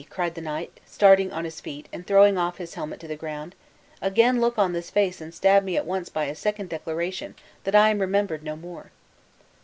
cried the knight, starting on his feet, and throwing off his helmet to the ground; "again look on this face and stab me at once by a second declaration that I am remembered no more!"